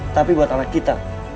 tapi buat anak kita